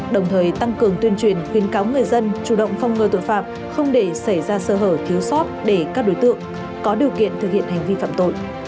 đồng thời tăng cường tuyên truyền khuyến cáo người dân chủ động phong ngừa tội phạm không để xảy ra sơ hở thiếu sót để các đối tượng có điều kiện thực hiện hành vi phạm tội